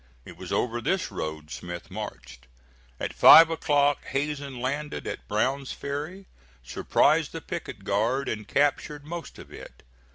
It was over this road Smith marched. At five o'clock Hazen landed at Brown's Ferry, surprised the picket guard, and captured most of it.